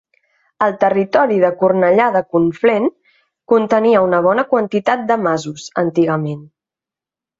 El territori de Cornellà de Conflent contenia una bona quantitat de masos, antigament.